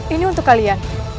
ini untuk kalian